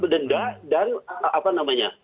denda dan apa namanya